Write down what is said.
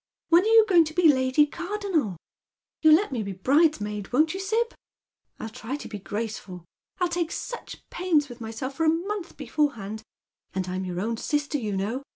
"When are you going to be Lady Cardonnel? You'll let me be bridesmaid, won't you, Sib ? Ill try to be graceful. I'll take such pains with myself for a month before hand, and I'm your own sister, you know.